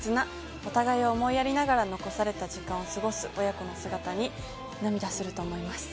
お互いを思いやりながら残された時間を過ごす親子の姿に涙すると思います。